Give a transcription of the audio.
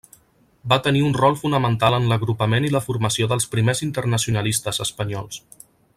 Va tenir un rol fonamental en l'agrupament i la formació dels primers internacionalistes espanyols.